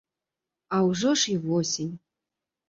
А ўжо ж і восень.